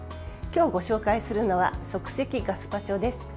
今日ご紹介するのは即席ガスパチョです。